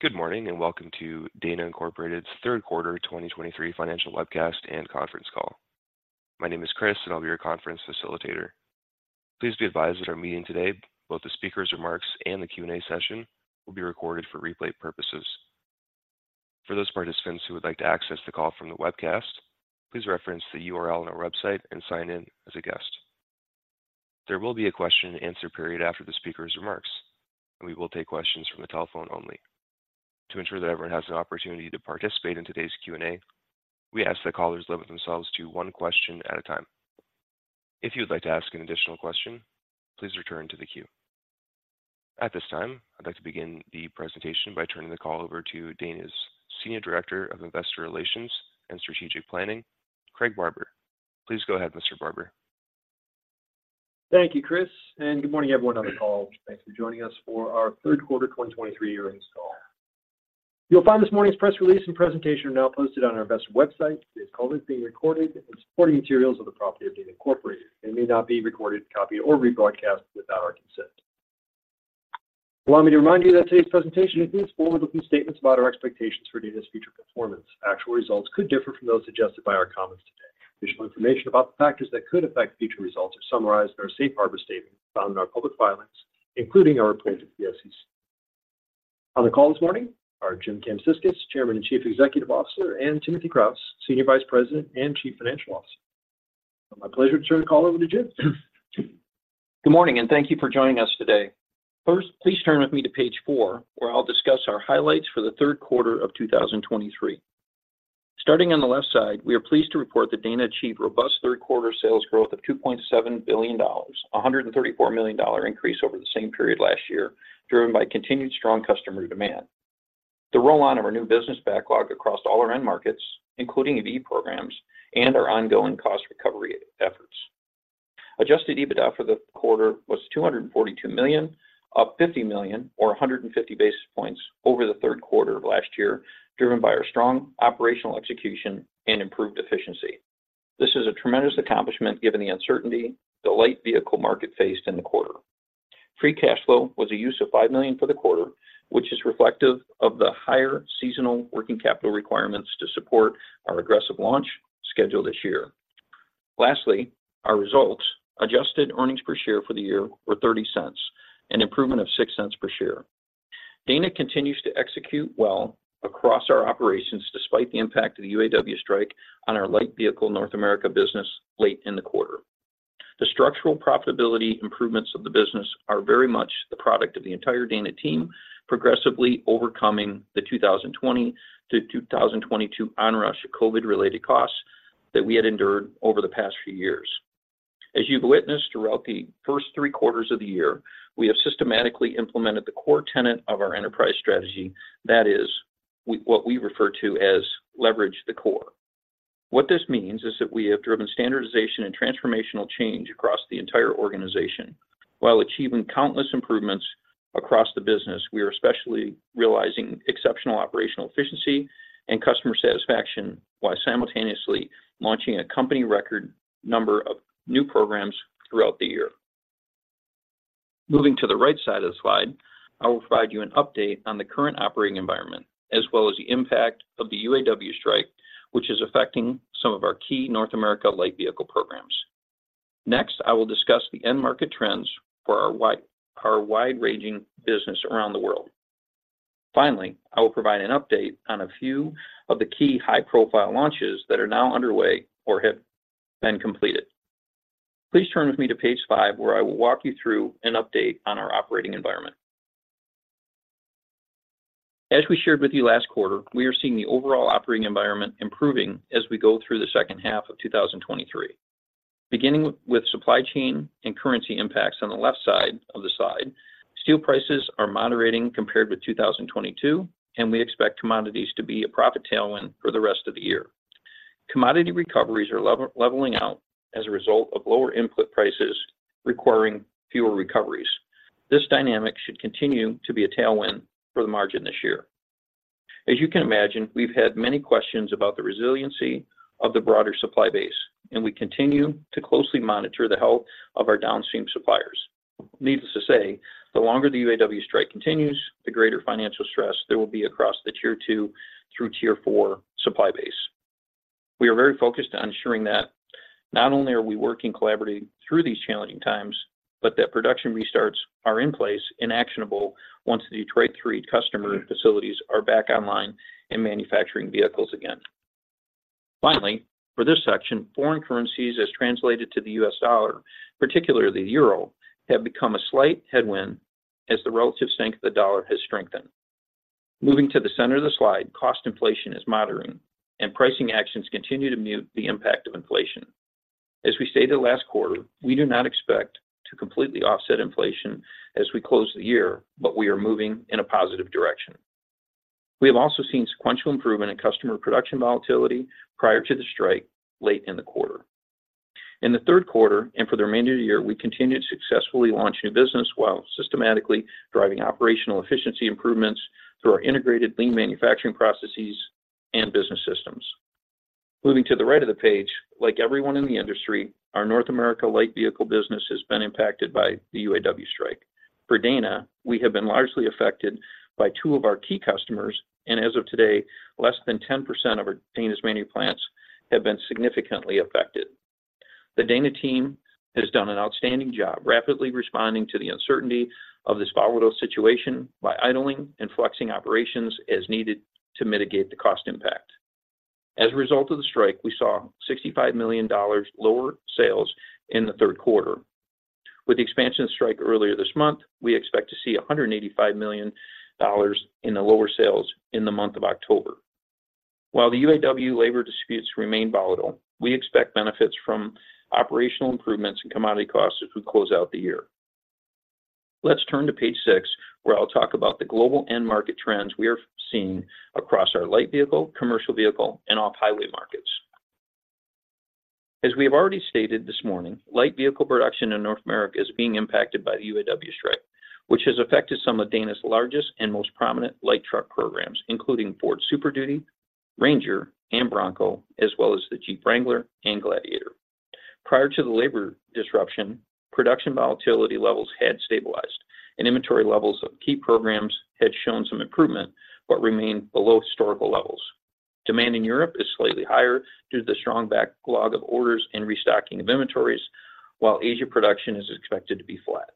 Good morning, and welcome to Dana Incorporated's third quarter 2023 financial webcast and conference call. My name is Chris, and I'll be your conference facilitator. Please be advised that our meeting today, both the speaker's remarks and the Q&A session, will be recorded for replay purposes. For those participants who would like to access the call from the webcast, please reference the URL on our website and sign in as a guest. There will be a question and answer period after the speaker's remarks, and we will take questions from the telephone only. To ensure that everyone has an opportunity to participate in today's Q&A, we ask that callers limit themselves to one question at a time. If you would like to ask an additional question, please return to the queue. At this time, I'd like to begin the presentation by turning the call over to Dana's Senior Director of Investor Relations and Strategic Planning, Craig Barber. Please go ahead, Mr. Barber. Thank you, Chris, and good morning, everyone, on the call. Thanks for joining us for our third quarter 2023 earnings call. You'll find this morning's press release and presentation are now posted on our investor website. Today's call is being recorded, and supporting materials are the property of Dana Incorporated and may not be recorded, copied, or rebroadcast without our consent. Allow me to remind you that today's presentation includes forward-looking statements about our expectations for Dana's future performance. Actual results could differ from those suggested by our comments today. Additional information about the factors that could affect future results are summarized in our safe harbor statement found in our public filings, including our report to the SEC. On the call this morning are James Kamsickas, Chairman and Chief Executive Officer, and Timothy Kraus, Senior Vice President and Chief Financial Officer. My pleasure to turn the call over to James. Good morning, and thank you for joining us today. First, please turn with me to page four, where I'll discuss our highlights for the third quarter of 2023. Starting on the left side, we are pleased to report that Dana achieved robust third quarter sales growth of $2.7 billion, a $134 million increase over the same period last year, driven by continued strong customer demand, the rollout of our new business backlog across all our end markets, including EV programs and our ongoing cost recovery efforts. Adjusted EBITDA for the quarter was $242 million, up $50 million or 150 basis points over the third quarter of last year, driven by our strong operational execution and improved efficiency. This is a tremendous accomplishment given the uncertainty the light vehicle market faced in the quarter. Free cash flow was a use of $5 million for the quarter, which is reflective of the higher seasonal working capital requirements to support our aggressive launch scheduled this year. Lastly, our results, adjusted earnings per share for the year were $0.30, an improvement of $0.06 per share. Dana continues to execute well across our operations, despite the impact of the UAW strike on our light vehicle North America business late in the quarter. The structural profitability improvements of the business are very much the product of the entire Dana team, progressively overcoming the 2020 to 2022 onrush of COVID-related costs that we had endured over the past few years. As you've witnessed throughout the first three quarters of the year, we have systematically implemented the core tenet of our enterprise strategy. That is, what we refer to as leverage the core. What this means is that we have driven standardization and transformational change across the entire organization. While achieving countless improvements across the business, we are especially realizing exceptional operational efficiency and customer satisfaction, while simultaneously launching a company record number of new programs throughout the year. Moving to the right side of the slide, I will provide you an update on the current operating environment, as well as the impact of the UAW strike, which is affecting some of our key North America light vehicle programs. Next, I will discuss the end market trends for our wide-ranging business around the world. Finally, I will provide an update on a few of the key high-profile launches that are now underway or have been completed. Please turn with me to page five, where I will walk you through an update on our operating environment. As we shared with you last quarter, we are seeing the overall operating environment improving as we go through the second half of 2023. Beginning with supply chain and currency impacts on the left side of the slide, steel prices are moderating compared with 2022, and we expect commodities to be a profit tailwind for the rest of the year. Commodity recoveries are leveling out as a result of lower input prices requiring fewer recoveries. This dynamic should continue to be a tailwind for the margin this year. As you can imagine, we've had many questions about the resiliency of the broader supply base, and we continue to closely monitor the health of our downstream suppliers. Needless to say, the longer the UAW strike continues, the greater financial stress there will be across the Tier Two through Tier Four supply base. We are very focused on ensuring that not only are we working collaboratively through these challenging times, but that production restarts are in place and actionable once the Detroit Three customer facilities are back online and manufacturing vehicles again. Finally, for this section, foreign currencies as translated to the U.S. dollar, particularly the euro, have become a slight headwind as the relative strength of the dollar has strengthened. Moving to the center of the slide, cost inflation is moderating, and pricing actions continue to mute the impact of inflation. As we stated last quarter, we do not expect to completely offset inflation as we close the year, but we are moving in a positive direction. We have also seen sequential improvement in customer production volatility prior to the strike late in the quarter. In the third quarter and for the remainder of the year, we continued to successfully launch new business while systematically driving operational efficiency improvements through our integrated lean manufacturing processes and business systems. Moving to the right of the page, like everyone in the industry, our North America light vehicle business has been impacted by the UAW strike. For Dana, we have been largely affected by two of our key customers, and as of today, less than 10% of our Dana's manufacturing plants have been significantly affected. The Dana team has done an outstanding job, rapidly responding to the uncertainty of this volatile situation by idling and flexing operations as needed to mitigate the cost impact. As a result of the strike, we saw $65 million lower sales in the third quarter. With the expansion of strike earlier this month, we expect to see $185 million in the lower sales in the month of October. While the UAW labor disputes remain volatile, we expect benefits from operational improvements and commodity costs as we close out the year. Let's turn to page six where I'll talk about the global end market trends we are seeing across our light vehicle, commercial vehicle, and off-highway markets. As we have already stated this morning, light vehicle production in North America is being impacted by the UAW strike, which has affected some of Dana's largest and most prominent light truck programs, including Ford Super Duty, Ranger, and Bronco, as well as the Jeep Wrangler and Gladiator. Prior to the labor disruption, production volatility levels had stabilized, and inventory levels of key programs had shown some improvement, but remained below historical levels. Demand in Europe is slightly higher due to the strong backlog of orders and restocking of inventories, while Asia production is expected to be flat.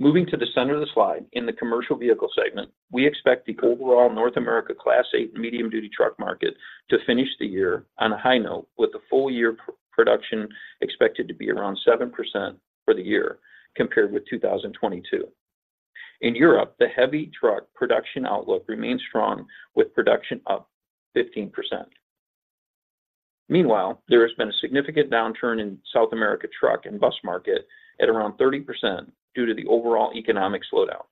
Moving to the center of the slide, in the commercial vehicle segment, we expect the overall North America Class 8 medium duty truck market to finish the year on a high note, with the full year production expected to be around 7% for the year, compared with 2022. In Europe, the heavy truck production outlook remains strong, with production up 15%. Meanwhile, there has been a significant downturn in South America truck and bus market at around 30% due to the overall economic slowdown.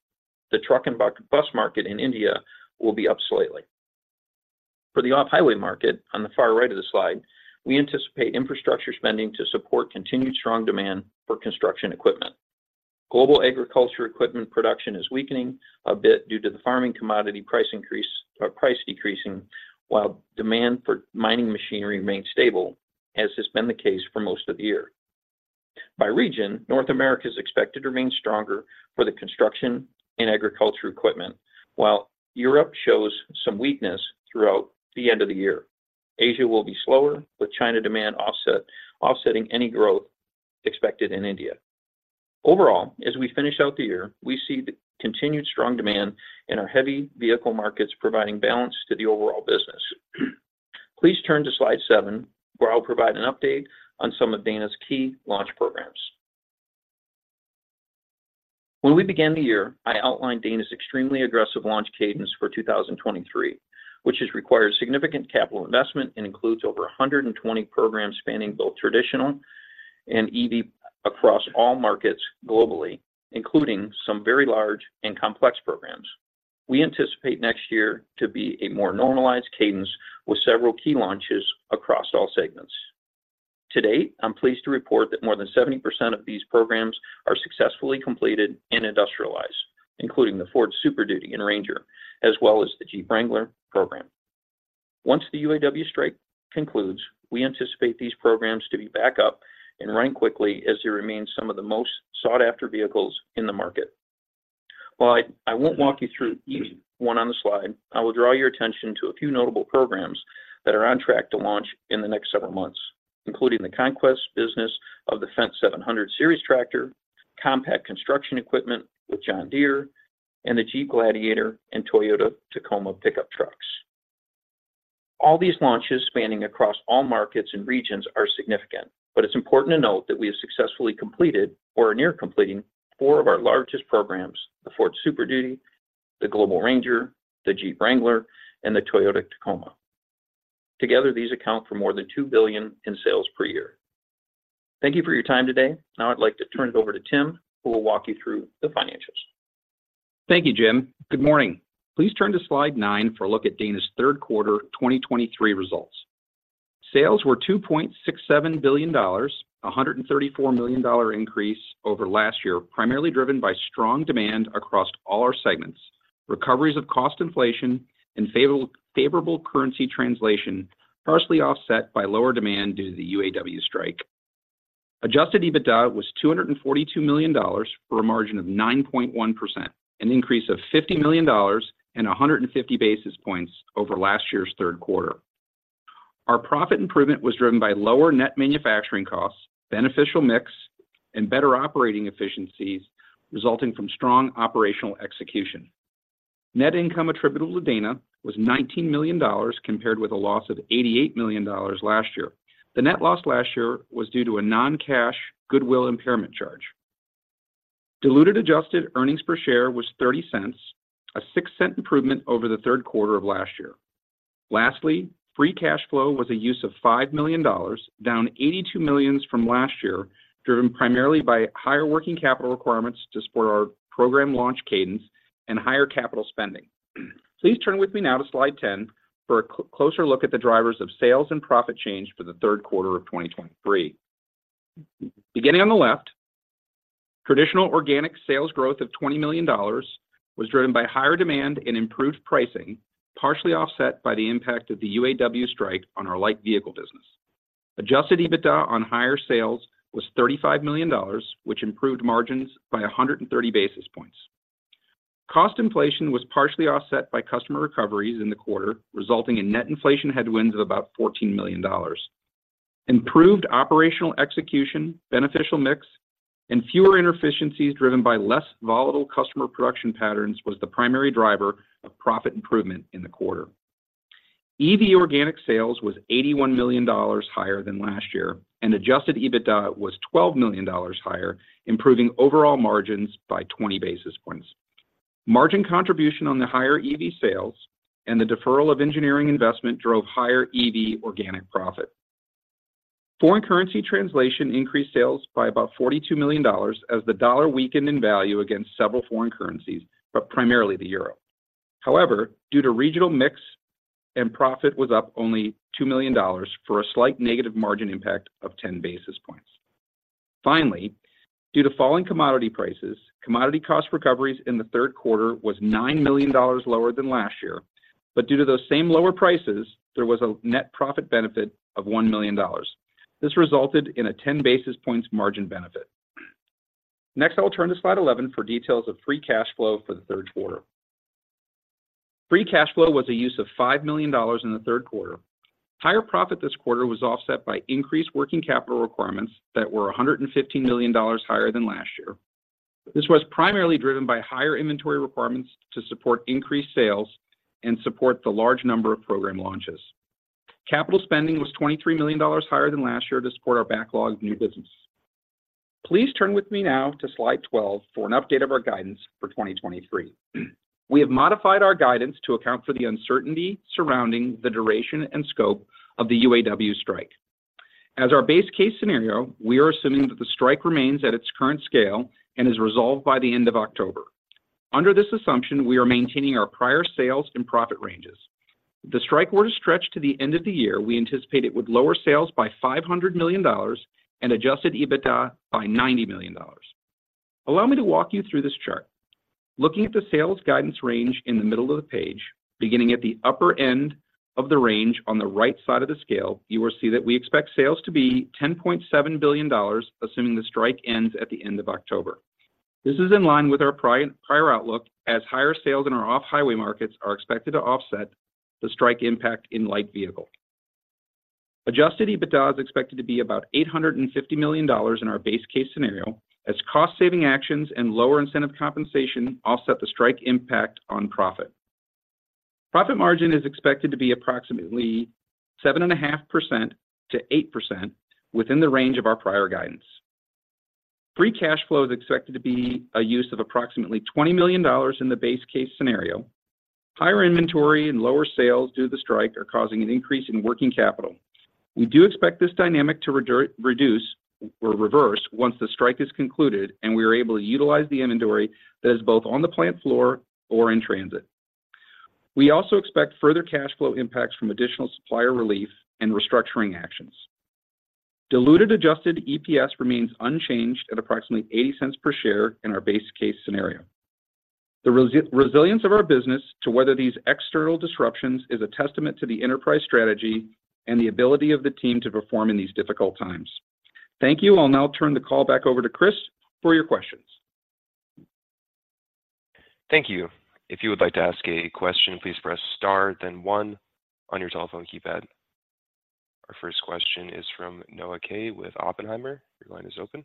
The truck and bus market in India will be up slightly. For the off-highway market, on the far right of the slide, we anticipate infrastructure spending to support continued strong demand for construction equipment. Global agriculture equipment production is weakening a bit due to the farming commodity price increase, price decreasing, while demand for mining machinery remains stable, as has been the case for most of the year. By region, North America is expected to remain stronger for the construction and agriculture equipment, while Europe shows some weakness throughout the end of the year. Asia will be slower, with China demand offsetting any growth expected in India. Overall, as we finish out the year, we see the continued strong demand in our heavy vehicle markets providing balance to the overall business. Please turn to slide seven, where I'll provide an update on some of Dana's key launch programs. When we began the year, I outlined Dana's extremely aggressive launch cadence for 2023, which has required significant capital investment and includes over 120 programs spanning both traditional and EV across all markets globally, including some very large and complex programs. We anticipate next year to be a more normalized cadence with several key launches across all segments. To date, I'm pleased to report that more than 70% of these programs are successfully completed and industrialized, including the Ford Super Duty and Ranger, as well as the Jeep Wrangler program. Once the UAW strike concludes, we anticipate these programs to be back up and running quickly as they remain some of the most sought-after vehicles in the market. While I won't walk you through each one on the slide, I will draw your attention to a few notable programs that are on track to launch in the next several months, including the conquest business of the Fendt 700 series tractor, compact construction equipment with John Deere, and the Jeep Gladiator and Toyota Tacoma pickup trucks. All these launches spanning across all markets and regions are significant, but it's important to note that we have successfully completed or are near completing four of our largest programs: the Ford Super Duty, the Global Ranger, the Jeep Wrangler, and the Toyota Tacoma. Together, these account for more than $2 billion in sales per year. Thank you for your time today. Now, I'd like to turn it over to Tim, who will walk you through the financials. Thank you, James. Good morning. Please turn to slide nine for a look at Dana's third quarter 2023 results. Sales were $2.67 billion, a $134 million increase over last year, primarily driven by strong demand across all our segments, recoveries of cost inflation and favorable currency translation, partially offset by lower demand due to the UAW strike. Adjusted EBITDA was $242 million, for a margin of 9.1%, an increase of $50 million and 150 basis points over last year's third quarter. Our profit improvement was driven by lower net manufacturing costs, beneficial mix, and better operating efficiencies, resulting from strong operational execution. Net income attributable to Dana was $19 million, compared with a loss of $88 million last year. The net loss last year was due to a non-cash goodwill impairment charge. Diluted adjusted earnings per share was $0.30, a $0.06 improvement over the third quarter of last year. Lastly, free cash flow was a use of $5 million, down $82 million from last year, driven primarily by higher working capital requirements to support our program launch cadence and higher capital spending. Please turn with me now to Slide 10 for a closer look at the drivers of sales and profit change for the third quarter of 2023. Beginning on the left, traditional organic sales growth of $20 million was driven by higher demand and improved pricing, partially offset by the impact of the UAW strike on our light vehicle business. Adjusted EBITDA on higher sales was $35 million, which improved margins by 130 basis points. Cost inflation was partially offset by customer recoveries in the quarter, resulting in net inflation headwinds of about $14 million. Improved operational execution, beneficial mix, and fewer inefficiencies driven by less volatile customer production patterns was the primary driver of profit improvement in the quarter. EV organic sales was $81 million higher than last year, and adjusted EBITDA was $12 million higher, improving overall margins by 20 basis points. Margin contribution on the higher EV sales and the deferral of engineering investment drove higher EV organic profit. Foreign currency translation increased sales by about $42 million as the dollar weakened in value against several foreign currencies, but primarily the euro. However, due to regional mix and profit was up only $2 million for a slight negative margin impact of 10 basis points. Finally, due to falling commodity prices, commodity cost recoveries in the third quarter was $9 million lower than last year, but due to those same lower prices, there was a net profit benefit of $1 million. This resulted in a 10 basis points margin benefit. Next, I will turn to slide 11 for details of free cash flow for the third quarter. Free cash flow was a use of $5 million in the third quarter. Higher profit this quarter was offset by increased working capital requirements that were $115 million higher than last year. This was primarily driven by higher inventory requirements to support increased sales and support the large number of program launches. Capital spending was $23 million higher than last year to support our backlog of new business. Please turn with me now to slide 12 for an update of our guidance for 2023. We have modified our guidance to account for the uncertainty surrounding the duration and scope of the UAW strike. As our base case scenario, we are assuming that the strike remains at its current scale and is resolved by the end of October. Under this assumption, we are maintaining our prior sales and profit ranges. If the strike were to stretch to the end of the year, we anticipate it would lower sales by $500 million and adjust EBITDA by $90 million. Allow me to walk you through this chart. Looking at the sales guidance range in the middle of the page, beginning at the upper end of the range on the right side of the scale, you will see that we expect sales to be $10.7 billion, assuming the strike ends at the end of October. This is in line with our prior outlook, as higher sales in our off-highway markets are expected to offset the strike impact in light vehicle. Adjusted EBITDA is expected to be about $850 million in our base case scenario, as cost-saving actions and lower incentive compensation offset the strike impact on profit. Profit margin is expected to be approximately 7.5%-8% within the range of our prior guidance. Free cash flow is expected to be a use of approximately $20 million in the base case scenario. Higher inventory and lower sales due to the strike are causing an increase in working capital. We do expect this dynamic to reduce or reverse once the strike is concluded and we are able to utilize the inventory that is both on the plant floor or in transit. We also expect further cash flow impacts from additional supplier relief and restructuring actions. Diluted adjusted EPS remains unchanged at approximately $0.80 per share in our base case scenario. The resilience of our business to weather these external disruptions is a testament to the enterprise strategy and the ability of the team to perform in these difficult times. Thank you. I'll now turn the call back over to Chris for your questions. Thank you. If you would like to ask a question, please press star, then one on your telephone keypad. Our first question is from Noah Kaye with Oppenheimer. Your line is open.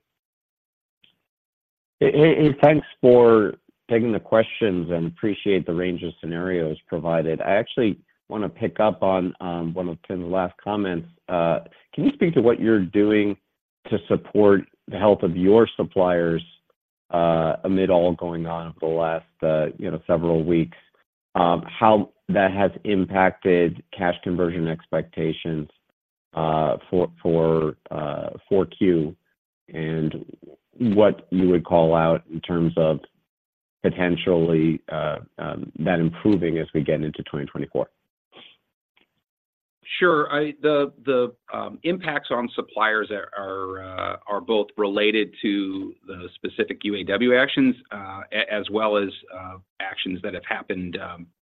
Hey, hey, thanks for taking the questions and appreciate the range of scenarios provided. I actually want to pick up on one of Tim's last comments. Can you speak to what you're doing to support the health of your suppliers amid all going on over the last, you know, several weeks? How that has impacted cash conversion expectations for Q4, and what you would call out in terms of potentially that improving as we get into 2024? Sure. The impacts on suppliers are both related to the specific UAW actions, as well as actions that have happened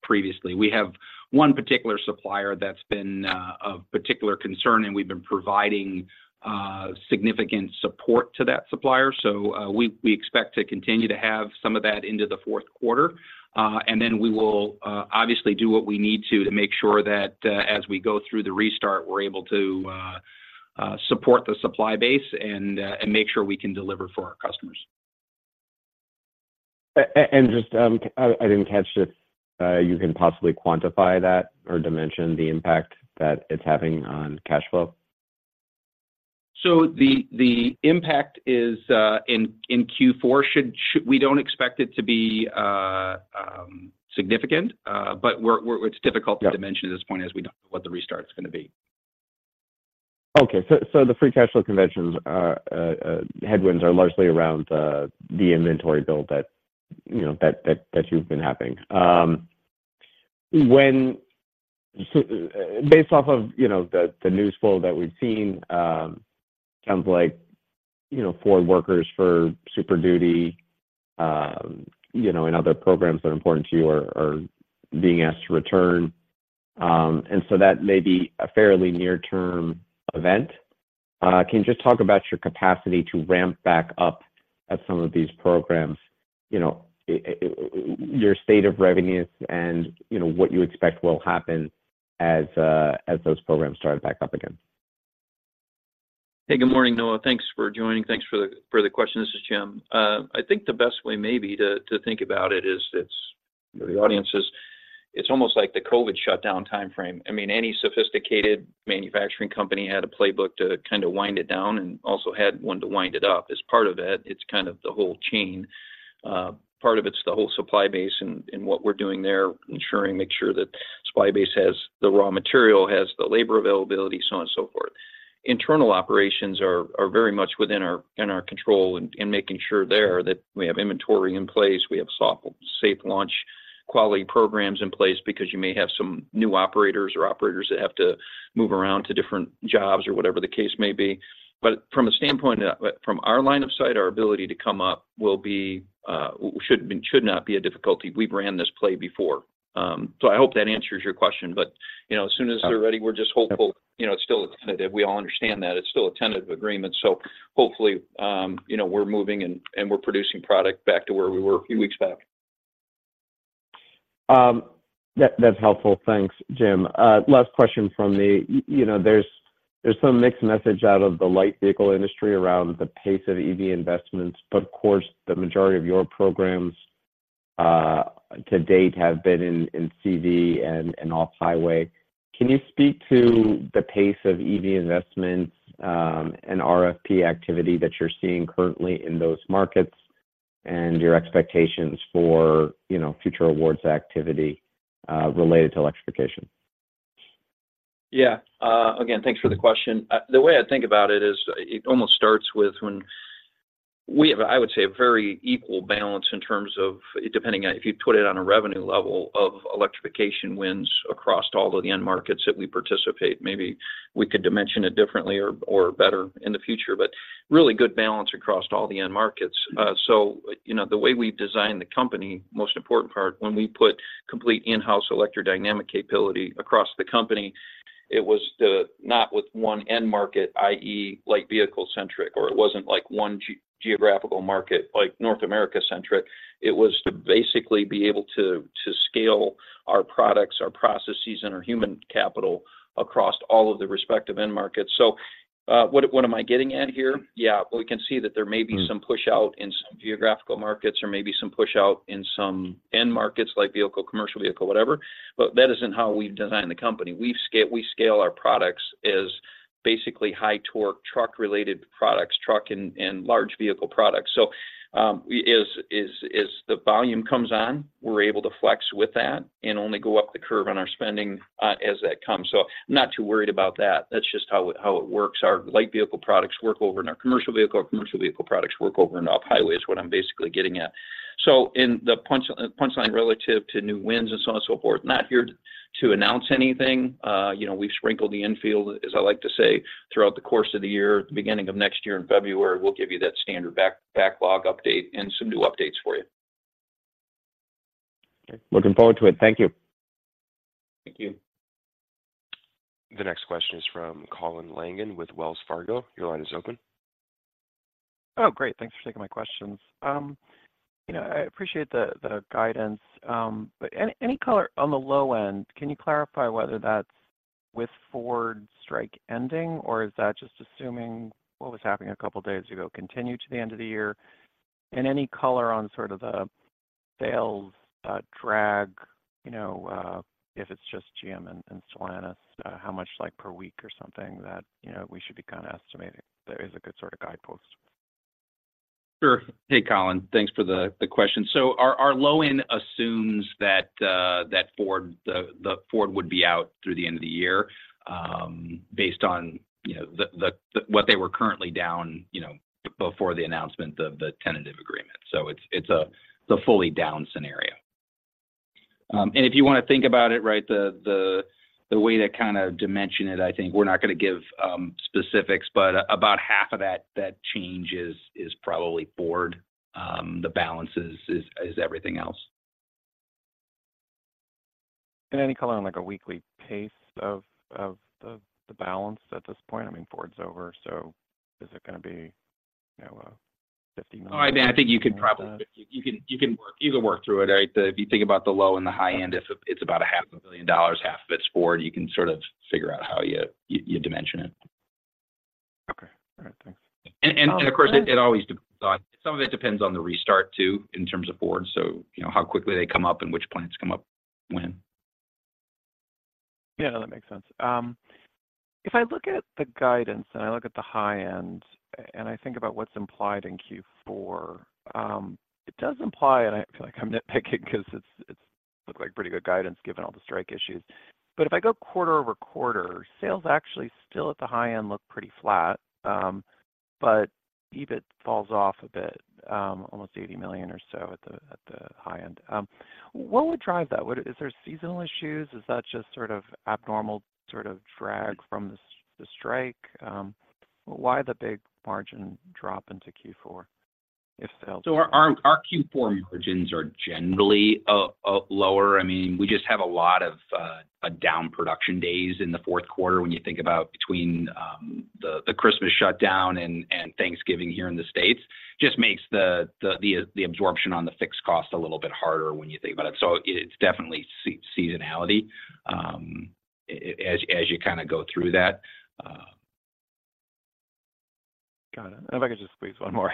previously. We have one particular supplier that's been of particular concern, and we've been providing significant support to that supplier. So, we expect to continue to have some of that into the fourth quarter, and then we will obviously do what we need to make sure that, as we go through the restart, we're able to support the supply base and make sure we can deliver for our customers. And just, I didn't catch if you can possibly quantify that or dimension the impact that it's having on cash flow? So the impact is in Q4. We don't expect it to be significant, but we're-- it's difficult- Yeah To dimension at this point as we don't know what the restart is going to be. Okay. So the Free Cash Flow conversions are headwinds are largely around the inventory build that, you know, that you've been having. When based off of, you know, the news flow that we've seen, sounds like, you know, Ford workers for Super Duty, you know, and other programs that are important to you are being asked to return. And so that may be a fairly near-term event. Can you just talk about your capacity to ramp back up at some of these programs? You know, your state of readiness and, you know, what you expect will happen as those programs start back up again? Hey, good morning, Noah. Thanks for joining. Thanks for the question. This is James. I think the best way maybe to think about it is, for the audience, it's almost like the COVID shutdown timeframe. I mean, any sophisticated manufacturing company had a playbook to kind of wind it down and also had one to wind it up. As part of that, it's kind of the whole chain. Part of it's the whole supply base and what we're doing there, making sure that supply base has the raw material, has the labor availability, so on and so forth. Internal operations are very much within our control and making sure there that we have inventory in place, we have safe launch quality programs in place because you may have some new operators or operators that have to move around to different jobs or whatever the case may be. From a standpoint of, from our line of sight, our ability to come up will be, should not be a difficulty. We've ran this play before. I hope that answers your question, but, you know, as soon as they're ready, we're just hopeful. Yep. You know, it's still tentative. We all understand that. It's still a tentative agreement, so hopefully, you know, we're moving and we're producing product back to where we were a few weeks back. That, that's helpful. Thanks, James. Last question from me. You know, there's some mixed message out of the light vehicle industry around the pace of EV investments, but of course, the majority of your programs to date have been in CV and off-highway. Can you speak to the pace of EV investments and RFP activity that you're seeing currently in those markets, and your expectations for, you know, future awards activity related to electrification? Yeah. Again, thanks for the question. The way I think about it is it almost starts with when we have, I would say, a very equal balance in terms of depending on if you put it on a revenue level of electrification wins across all of the end markets that we participate. Maybe we could dimension it differently or better in the future, but really good balance across all the end markets. So, you know, the way we've designed the company, most important part, when we put complete in-house electrodynamic capability across the company, it was to not with one end market, i.e., light vehicle centric, or it wasn't like one geographical market, like North America centric. It was to basically be able to scale our products, our processes, and our human capital across all of the respective end markets. So, what am I getting at here? Yeah, we can see that there may be-some pushout in some geographical markets or maybe some pushout in some end markets, like vehicle, commercial vehicle, whatever. But that isn't how we've designed the company. We scale our products as basically high torque, truck-related products, truck and large vehicle products. So, as the volume comes on, we're able to flex with that and only go up the curve on our spending, as that comes. So not too worried about that. That's just how it works. Our light vehicle products work over in our commercial vehicle, our commercial vehicle products work over in off-highway, is what I'm basically getting at. So in the punch line relative to new wins and so on and so forth, not here to announce anything. You know, we've sprinkled the infield, as I like to say, throughout the course of the year. At the beginning of next year, in February, we'll give you that standard back- backlog update and some new updates for you. Okay. Looking forward to it. Thank you. Thank you. The next question is from Colin Langan with Wells Fargo. Your line is open. Oh, great. Thanks for taking my questions. You know, I appreciate the guidance, but any color on the low end? Can you clarify whether that's with Ford strike ending, or is that just assuming what was happening a couple of days ago continues to the end of the year? And any color on sort of the sales drag, you know, if it's just GM and Stellantis, how much like per week or something that you know we should be kind of estimating that is a good sort of guidepost? Sure. Hey, Colin, thanks for the question. So our low end assumes that Ford, the Ford would be out through the end of the year, based on, you know, the what they were currently down, you know, before the announcement of the tentative agreement. So it's a the fully down scenario. And if you want to think about it, right, the way to kind of dimension it, I think we're not going to give specifics, but about half of that change is probably Ford. The balance is everything else. Any color on, like, a weekly pace of the balance at this point? I mean, Ford's over, so is it gonna be, you know, $50 million- I mean, I think you could probably Roughly that. You can work through it, right? If you think about the low and the high end, it's about $500 million. Half of it's Ford. You can sort of figure out how you dimension it. Okay. All right, thanks. Of course, it always depends on the restart, too, in terms of Ford. You know, how quickly they come up and which plants come up when. Yeah, that makes sense. If I look at the guidance and I look at the high end, and I think about what's implied in Q4, it does imply, and I feel like I'm nitpicking because it's, it's looked like pretty good guidance, given all the strike issues. But if I go quarter-over-quarter, sales actually still at the high end, look pretty flat. But EBIT falls off a bit, almost $80 million or so at the high end. What would drive that? Would? Is there seasonal issues? Is that just sort of abnormal, sort of drag from the strike? Why the big margin drop into Q4, if so? So our Q4 margins are generally lower. I mean, we just have a lot of down production days in the fourth quarter. When you think about between the Christmas shutdown and Thanksgiving here in the States, just makes the absorption on the fixed cost a little bit harder when you think about it. So it's definitely seasonality, as you kinda go through that. Got it. And if I could just please one more.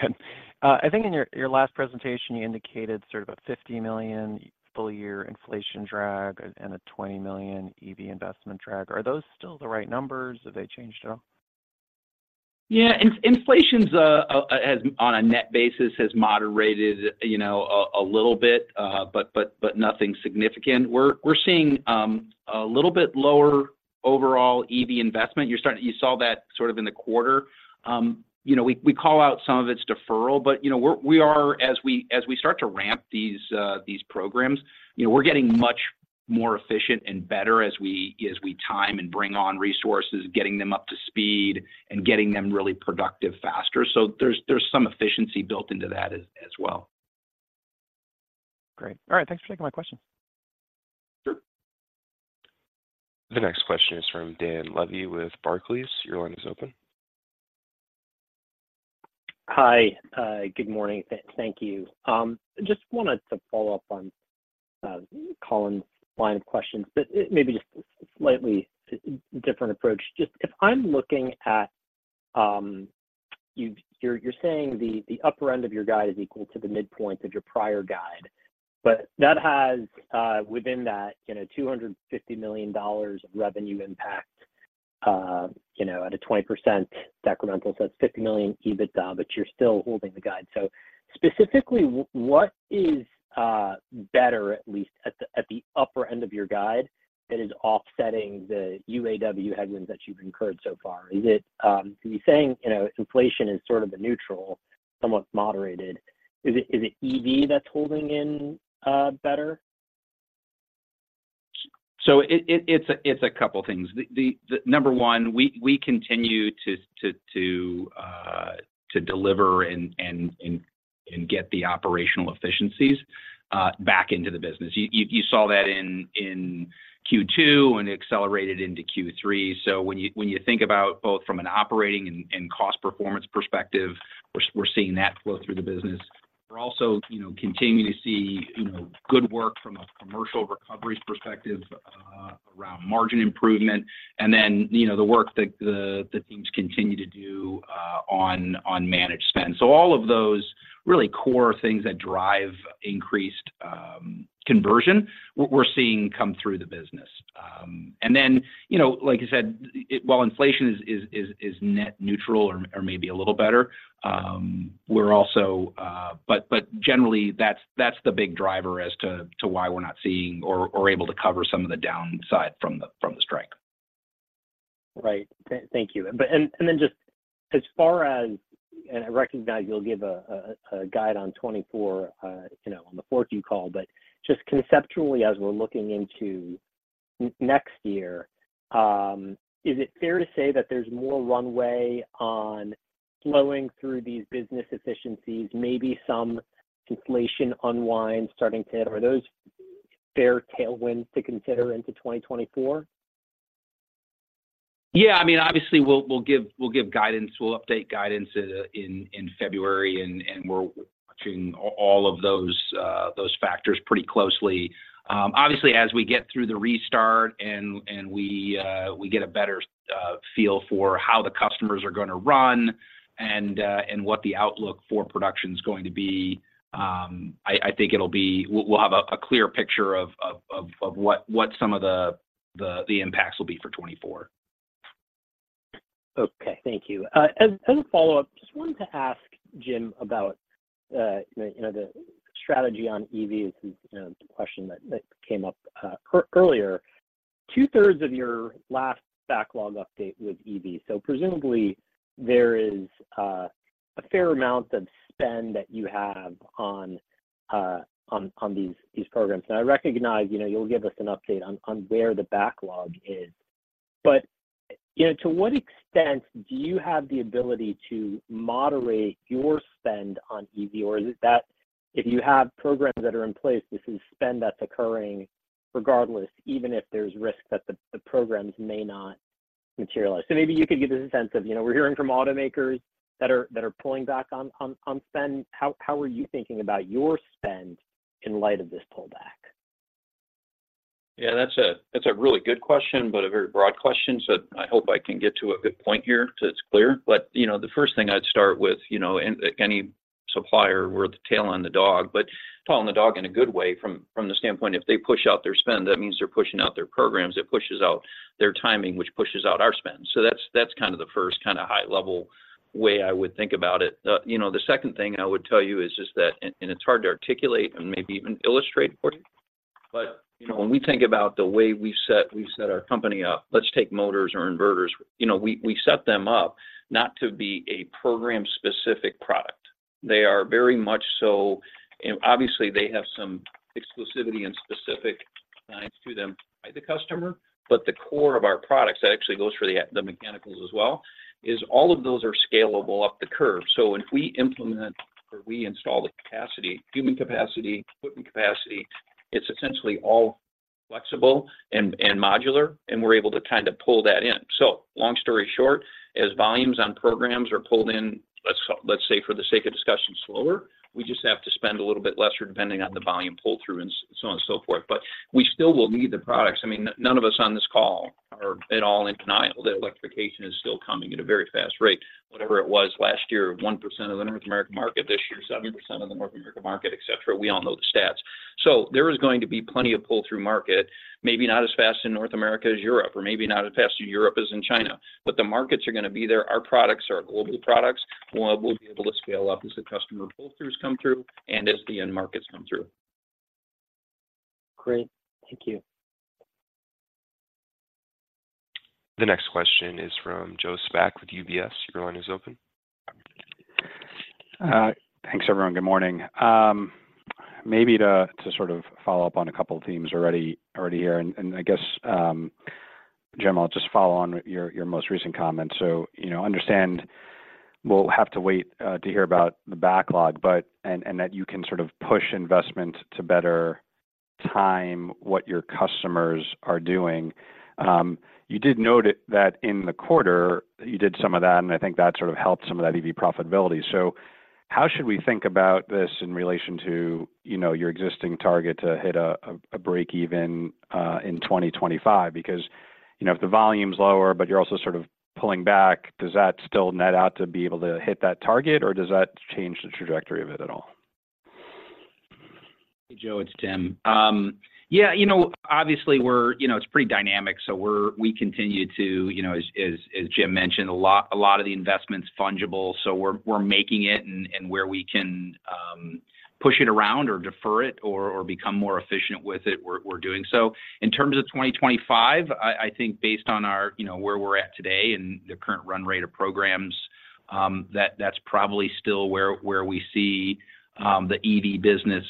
I think in your last presentation, you indicated sort of about $50 million full year inflation drag and a $20 million EV investment drag. Are those still the right numbers? Have they changed at all? Yeah, inflation's has, on a net basis, moderated, you know, a little bit, but nothing significant. We're seeing a little bit lower overall EV investment. You saw that sort of in the quarter. You know, we call out some of it's deferral, but, you know, we are as we start to ramp these programs, you know, we're getting much more efficient and better as we time and bring on resources, getting them up to speed and getting them really productive faster. So there's some efficiency built into that as well. Great. All right. Thanks for taking my question. Sure. The next question is from Dan Levy with Barclays. Your line is open. Hi. Good morning. Thank you. Just wanted to follow up on Colin's line of questions, but maybe just slightly different approach. Just if I'm looking at, you're saying the upper end of your guide is equal to the midpoint of your prior guide, but that has, within that, you know, $250 million of revenue impact, you know, at a 20% incremental. So that's $50 million EBITDA, but you're still holding the guide. So specifically, what is better, at least at the upper end of your guide, that is offsetting the UAW headwinds that you've incurred so far? Is it, you're saying, you know, inflation is sort of a neutral, somewhat moderated. Is it, is it EV that's holding in better? It, it, it's a, it's a couple things. The number one, we, we continue to, to, to deliver and, and, and get the operational efficiencies back into the business. You, you, you saw that in Q2, and it accelerated into Q3. When you, when you think about both from an operating and cost performance perspective, we're, we're seeing that flow through the business. We're also, you know, continuing to see, you know, good work from a commercial recovery perspective around margin improvement, and then, you know, the work that the teams continue to do on managed spend. All of those really core things that drive increased conversion, we're, we're seeing come through the business. And then, you know, like you said, it while inflation is net neutral or maybe a little better, we're also but generally, that's the big driver as to why we're not seeing or able to cover some of the downside from the strike. Right. Thank you. But and then just as far as, I recognize you'll give a guide on 2024, you know, on the Q4 call, but just conceptually, as we're looking into next year, is it fair to say that there's more runway on flowing through these business efficiencies, maybe some inflation unwind starting to are those fair tailwinds to consider into 2024? Yeah, I mean, obviously, we'll give guidance. We'll update guidance in February, and we're watching all of those factors pretty closely. Obviously, as we get through the restart and we get a better feel for how the customers are gonna run and what the outlook for production is going to be, I think it'll be. We'll have a clear picture of what some of the impacts will be for 2024. Okay. Thank you. As a follow-up, just wanted to ask James about, you know, the strategy on EV. It's, you know, the question that, that came up earlier. Two-thirds of your last backlog update was EV, so presumably, there is a fair amount of spend that you have on, on these, these programs. And I recognize, you know, you'll give us an update on, on where the backlog is but, you know, to what extent do you have the ability to moderate your spend on EV Or is it that if you have programs that are in place, this is spend that's occurring regardless, even if there's risk that the, the programs may not materialize? So maybe you could give us a sense of, you know, we're hearing from automakers that are, that are pulling back on, on, on spend. How are you thinking about your spend in light of this pullback? Yeah, that's a really good question, but a very broad question, so I hope I can get to a good point here so it's clear. But, you know, the first thing I'd start with, you know, any supplier worth the tail on the dog, but tail on the dog in a good way from, from the standpoint, if they push out their spend, that means they're pushing out their programs. It pushes out their timing, which pushes out our spend. So that's, that's kind of the first kinda high level way I would think about it. You know, the second thing I would tell you is just that, and, and it's hard to articulate and maybe even illustrate for you. But, you know, when we think about the way we set our company up, let's take motors or inverters. You know, we set them up not to be a program-specific product. They are very much so, and obviously, they have some exclusivity and specific science to them by the customer, but the core of our products, that actually goes for the mechanicals as well, is all of those are scalable up the curve. So when we implement or we install the capacity, human capacity, equipment capacity, it's essentially all flexible and modular, and we're able to kind of pull that in. So long story short, as volumes on programs are pulled in, let's say, for the sake of discussion, slower, we just have to spend a little bit lesser, depending on the volume pull-through and so on and so forth. But we still will need the products. I mean, none of us on this call are at all in denial that electrification is still coming at a very fast rate. Whatever it was last year, 1% of the North American market, this year, 7% of the North American market, et cetera. We all know the stats. So there is going to be plenty of pull-through market, maybe not as fast in North America as Europe, or maybe not as fast in Europe as in China, but the markets are gonna be there. Our products are global products. We'll be able to scale up as the customer pull-throughs come through and as the end markets come through. Great. Thank you. The next question is from Joe Spak with UBS. Your line is open. Thanks, everyone. Good morning. Maybe to sort of follow up on a couple of themes already here, and I guess, James, I'll just follow on your most recent comments. So, you know, understand we'll have to wait to hear about the backlog, but and that you can sort of push investment to better time what your customers are doing. You did note that in the quarter, you did some of that, and I think that sort of helped some of that EV profitability. So how should we think about this in relation to, you know, your existing target to hit a break even in 2025? Because, you know, if the volume's lower, but you're also sort of pulling back, does that still net out to be able to hit that target, or does that change the trajectory of it at all? Hey, Joe, it's Tim. Yeah, you know, obviously we're, you know, it's pretty dynamic, so we're, we continue to, you know, as James mentioned, a lot of the investment's fungible, so we're making it. And where we can push it around or defer it or become more efficient with it, we're doing so. In terms of 2025, I think based on our, you know, where we're at today and the current run rate of programs, that's probably still where we see the EV business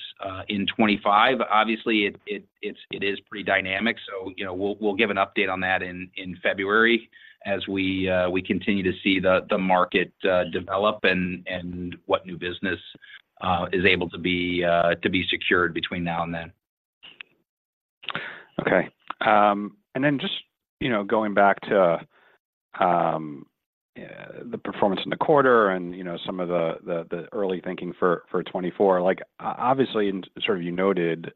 in 2025. Obviously, it is pretty dynamic, so, you know, we'll give an update on that in February as we continue to see the market develop and what new business is able to be secured between now and then. Okay. And then just, you know, going back to the performance in the quarter and, you know, some of the early thinking for 2024. Like, obviously, and sort of you noted,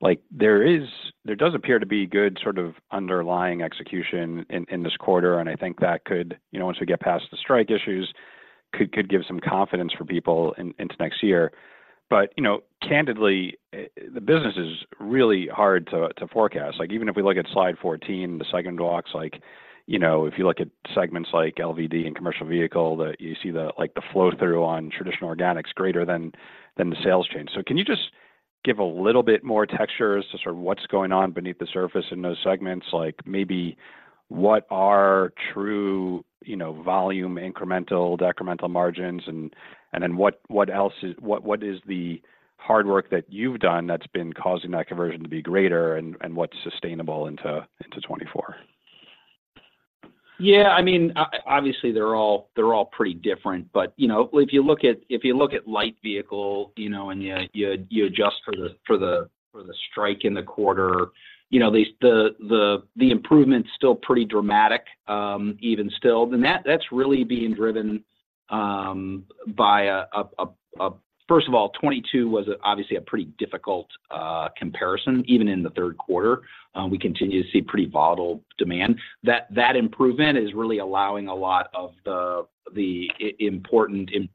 like there does appear to be good sort of underlying execution in this quarter, and I think that could, you know, once we get past the strike issues, could give some confidence for people into next year. But, you know, candidly, the business is really hard to forecast. Like, even if we look at slide 14, the second blocks, like, you know, if you look at segments like LVD and commercial vehicle, that you see the, like, the flow-through on traditional organics greater than the sales change. So can you just give a little bit more texture as to sort of what's going on beneath the surface in those segments? Like, maybe what are true, you know, volume, incremental, decremental margins, and then what else is, what is the hard work that you've done that's been causing that conversion to be greater, and what's sustainable into 2024? Yeah, I mean, obviously, they're all pretty different. But, you know, if you look at light vehicle, you know, and you adjust for the strike in the quarter, you know, the improvement's still pretty dramatic, even still. And that's really being driven by first of all, 2022 was obviously a pretty difficult comparison, even in the third quarter. We continue to see pretty volatile demand. That improvement is really allowing a lot of the important improvements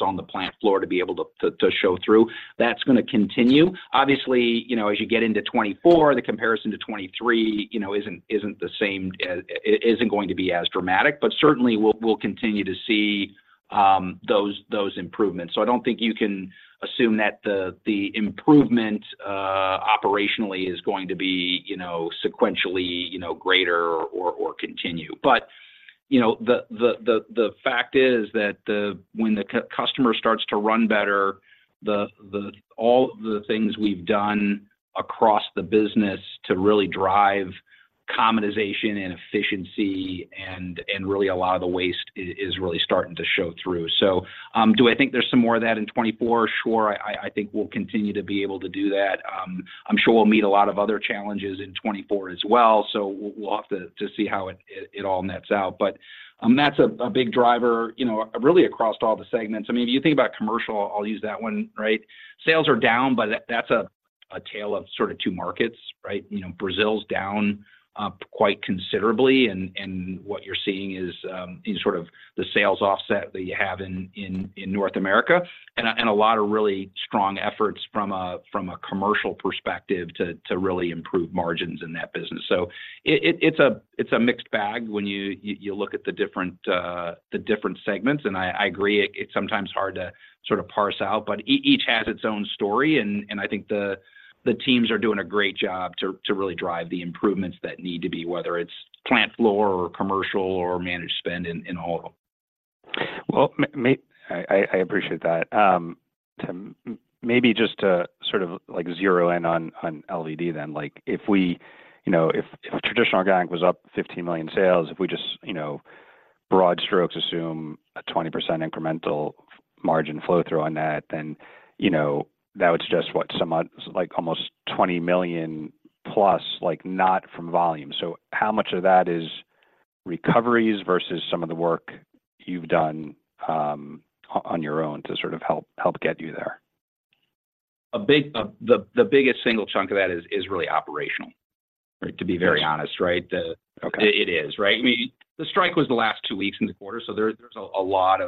on the plant floor to be able to show through. That's gonna continue. Obviously, you know, as you get into 2024, the comparison to 2023, you know, isn't the same as isn't going to be as dramatic, but certainly, we'll continue to see those improvements. So I don't think you can assume that the improvement operationally is going to be, you know, sequentially, you know, greater or continue. But, you know, the fact is that when the customer starts to run better, the all the things we've done across the business to really drive commonization and efficiency and really a lot of the waste is really starting to show through. So, do I think there's some more of that in 2024? Sure, I think we'll continue to be able to do that. I'm sure we'll meet a lot of other challenges in 2024 as well, so we'll have to see how it all nets out. But that's a big driver, you know, really across all the segments. I mean, if you think about commercial, I'll use that one, right? Sales are down, but that's a tale of sort of two markets, right? You know, Brazil's down quite considerably, and what you're seeing is sort of the sales offset that you have in North America, and a lot of really strong efforts from a commercial perspective to really improve margins in that business. So it's a mixed bag when you look at the different segments. And I agree, it's sometimes hard to sort of parse out, but each has its own story, and I think the teams are doing a great job to really drive the improvements that need to be, whether it's plant floor, or commercial, or managed spend in all of them. Well, I appreciate that. Tim, maybe just to sort of like zero in on LVD then, like, if we, you know, if traditional organic was up $15 million sales, if we just, you know, broad strokes assume a 20% incremental margin flow-through on that, then, you know, that would suggest, what? Some, like, almost $20 million plus, like, not from volume. So how much of that is recoveries versus some of the work you've done, on your own to sort of help get you there? The biggest single chunk of that is really operational, right? To be very honest, right? Okay. It is, right? I mean, the strike was the last two weeks in the quarter, so there's a lot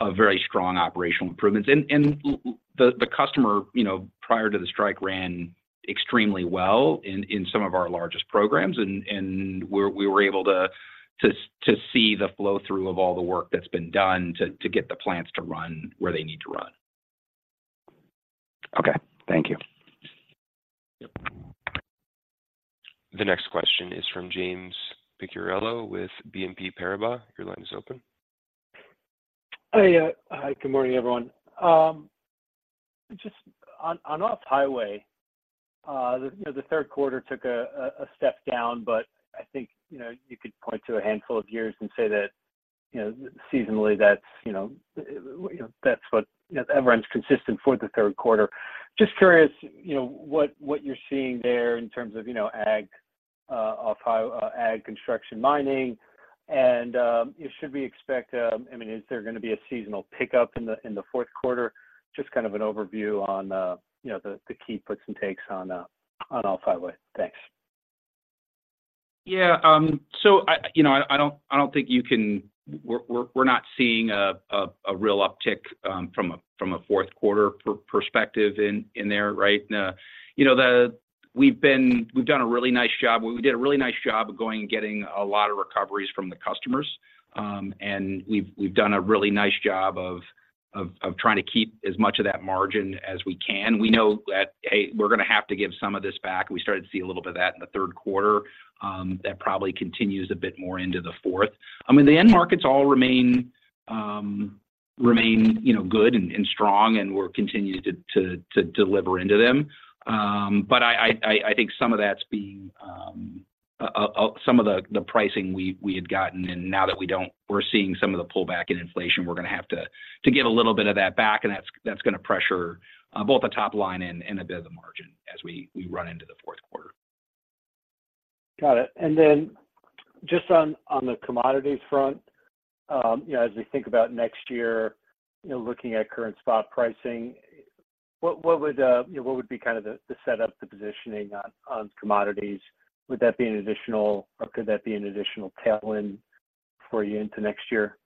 of very strong operational improvements. And the customer, you know, prior to the strike, ran extremely well in some of our largest programs, and we were able to see the flow-through of all the work that's been done to get the plants to run where they need to run. Okay. Thank you. The next question is from James Picariello with BNP Paribas. Your line is open. Hiya. Hi, good morning, everyone. Just on off-highway, the third quarter took a step down, but I think you know you could point to a handful of years and say that you know seasonally that's you know that's what you know everyone's consistent for the third quarter. Just curious you know what what you're seeing there in terms of you know ag construction mining and should we expect I mean is there gonna be a seasonal pickup in the fourth quarter? Just kind of an overview on you know the the key puts and takes on on off-highway. Thanks. Yeah, so I, you know, I don't think you can we're not seeing a real uptick from a fourth quarter perspective in there, right? You know, we've done a really nice job. We did a really nice job of going and getting a lot of recoveries from the customers, and we've done a really nice job of trying to keep as much of that margin as we can. We know that, hey, we're gonna have to give some of this back. We started to see a little bit of that in the third quarter. That probably continues a bit more into the fourth. I mean, the end markets all remain, you know, good and strong, and we're continuing to deliver into them. But I think some of that's being some of the pricing we had gotten, and now that we don't we're seeing some of the pullback in inflation, we're gonna have to give a little bit of that back, and that's gonna pressure both the top line and a bit of the margin as we run into the fourth quarter. Got it. Then just on the commodities front, you know, as we think about next year, you know, looking at current spot pricing, what would be kind of the setup, the positioning on commodities? Would that be an additional or could that be an additional tailwind for you into next year?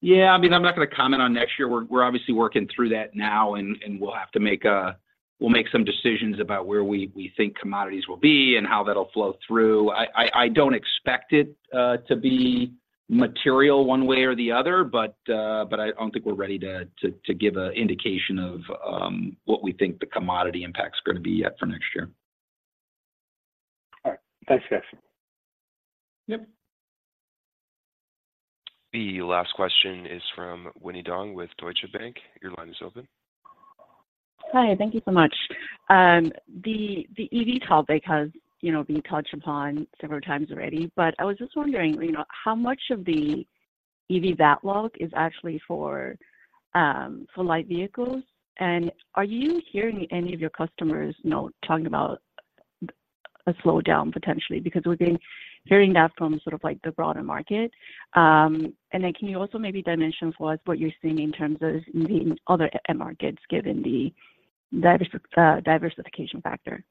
Yeah, I mean, I'm not gonna comment on next year. We're obviously working through that now, and we'll have to make some decisions about where we think commodities will be and how that'll flow through. I don't expect it to be material one way or the other, but I don't think we're ready to give an indication of what we think the commodity impact is gonna be yet for next year. All right. Thanks, guys. Yep. The last question is from Winnie Dong with Deutsche Bank. Your line is open. Hi, thank you so much. The EV topic has, you know, been touched upon several times already, but I was just wondering, you know, how much of the EV backlog is actually for light vehicles? And are you hearing any of your customers, you know, talking about a slowdown potentially? Because we've been hearing that from sort of like the broader market. And then can you also maybe dimension for us what you're seeing in terms of the other end markets, given the diversification factor?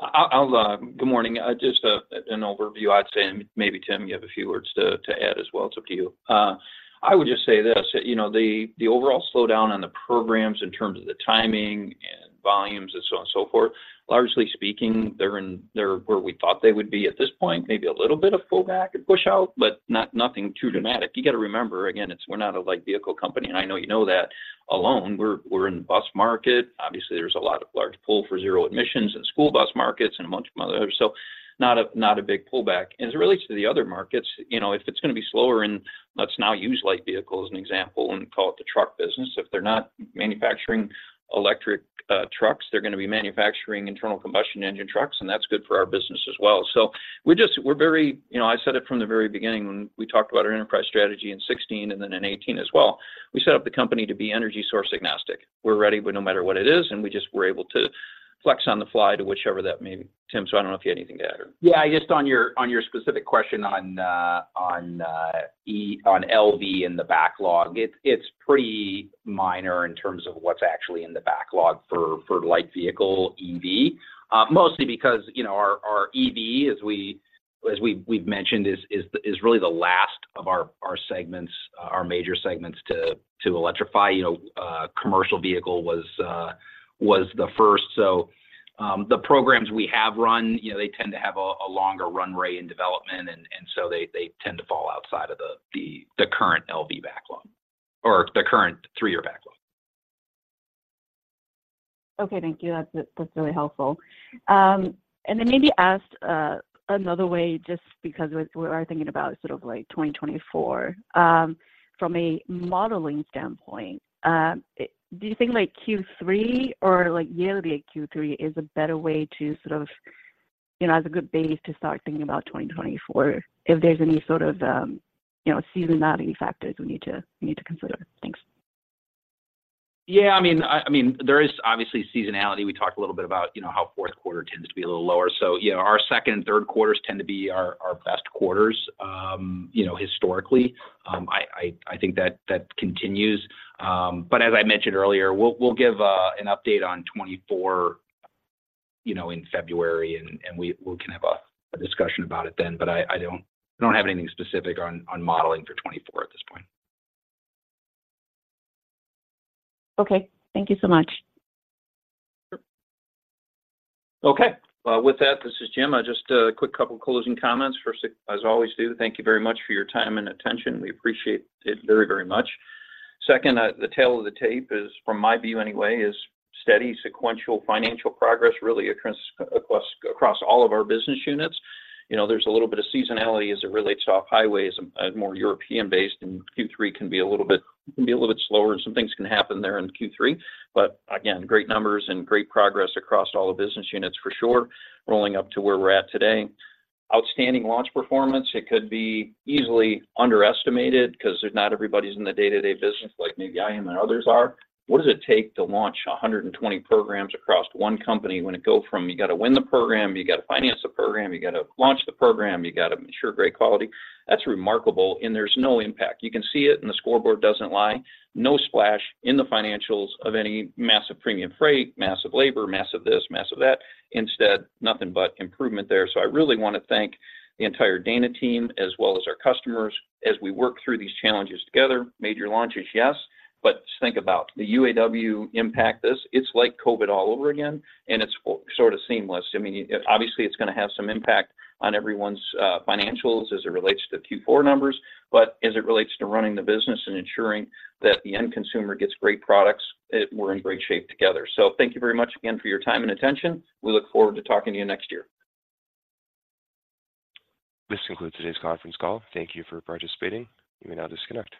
I'll Good morning. Just an overview, I'd say, and maybe Tim, you have a few words to add as well. It's up to you. I would just say this: You know, the overall slowdown on the programs in terms of the timing and volumes and so on and so forth, largely speaking, they're where we thought they would be at this point, maybe a little bit of pullback and pushout, but nothing too dramatic. You got to remember, again, it's we're not a light vehicle company, and I know you know that, alone. We're in the bus market. Obviously, there's a lot of large pull for zero emissions in school bus markets and a bunch of others. So not a big pullback. And as it relates to the other markets, you know, if it's gonna be slower in, let's now use light vehicle as an example and call it the truck business, if they're not manufacturing electric trucks, they're gonna be manufacturing internal combustion engine trucks, and that's good for our business as well. So we're just we're very you know, I said it from the very beginning when we talked about our enterprise strategy in 2016 and then in 2018 as well. We set up the company to be energy source agnostic. We're ready with no matter what it is, and we just we're able to flex on the fly to whichever that may be. Tim, so I don't know if you have anything to add or Yeah, just on your specific question on LV in the backlog, it's pretty minor in terms of what's actually in the backlog for light vehicle EV. Mostly because, you know, our EV, as we've mentioned, is really the last of our major segments to electrify. You know, commercial vehicle was the first, so The programs we have run, you know, they tend to have a longer run rate in development, and so they tend to fall outside of the current LV backlog or the current three-year backlog. Okay, thank you. That's, that's really helpful. And then maybe asked another way, just because with what we are thinking about is sort of like 2024. From a modeling standpoint, do you think like Q3 or like year-over-year Q3 is a better way to sort of, you know, as a good base to start thinking about 2024, if there's any sort of, you know, seasonality factors we need to, we need to consider? Thanks. Yeah, I mean, there is obviously seasonality. We talked a little bit about, you know, how fourth quarter tends to be a little lower. So, you know, our second and third quarters tend to be our best quarters, you know, historically. I think that continues. But as I mentioned earlier, we'll give an update on 2024, you know, in February, and we can have a discussion about it then. But I don't have anything specific on modeling for 2024 at this point. Okay. Thank you so much. Sure. Okay. Well, with that, this is James. Just a quick couple closing comments. First, as I always do, thank you very much for your time and attention. We appreciate it very, very much. Second, the tale of the tape is, from my view anyway, is steady sequential financial progress, really across, across, across all of our business units. You know, there's a little bit of seasonality as it relates to off highways and, and more European-based, and Q3 can be a little bit, can be a little bit slower, and some things can happen there in Q3. Again, great numbers and great progress across all the business units for sure, rolling up to where we're at today. Outstanding launch performance, it could be easily underestimated because there's not everybody's in the day-to-day business like maybe I am, and others are. What does it take to launch 120 programs across one company when it go from you got to win the program, you got to finance the program, you got to launch the program, you got to ensure great quality? That's remarkable, and there's no impact. You can see it, and the scoreboard doesn't lie. No splash in the financials of any massive premium freight, massive labor, massive this, massive that. Instead, nothing but improvement there. So I really want to thank the entire Dana team, as well as our customers, as we work through these challenges together. Major launches, yes, but just think about the UAW impact. This, it's like COVID all over again, and it's sort of seamless. I mean, obviously, it's going to have some impact on everyone's financials as it relates to Q4 numbers, but as it relates to running the business and ensuring that the end consumer gets great products, we're in great shape together. So thank you very much again for your time and attention. We look forward to talking to you next year. This concludes today's conference call. Thank you for participating. You may now disconnect.